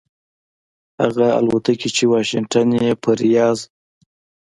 هغه الوتکې چې واشنګټن یې پر ریاض